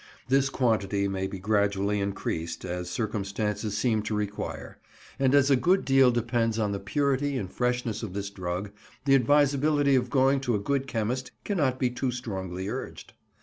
This quantity may be gradually increased, as circumstances seem to require; and as a good deal depends on the purity and freshness of this drug, the advisability of going to a good chemist cannot be too strongly urged.